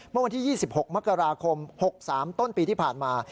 เมื่อวันที่๒๖มกราคม๖๓ต้นปีที่ผ่านมา